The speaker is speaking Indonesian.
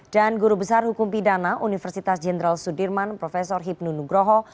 dan guru besar hukum pidana universitas jenderal sudirman prof hipnu nugroho